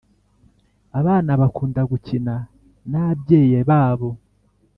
abana bakunda gukina n’ abyeya babo